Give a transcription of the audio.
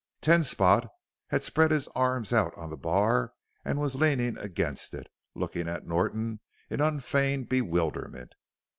Ten Spot had spread his arms out on the bar and was leaning against it, looking at Norton in unfeigned bewilderment.